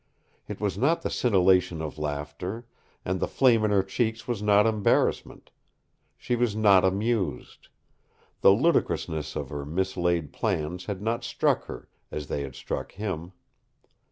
It was not the scintillation of laughter, and the flame in her cheeks was not embarrassment. She was not amused. The ludicrousness of her mislaid plans had not struck her as they had struck him.